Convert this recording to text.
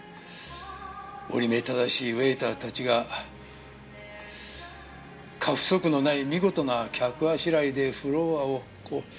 折り目正しいウエイターたちが過不足のない見事な客あしらいでフロアをこう行き来する。